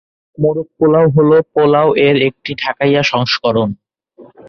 মোরগ পোলাও হলো পোলাও এর একটি ঢাকাইয়া সংস্করণ।